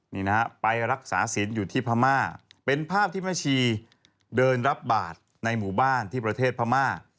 นี่นะฮะไปรักษาศีลอยู่ที่พม่าเป็นภาพที่แม่ชีเดินรับบาทในหมู่บ้านที่ประเทศพม่า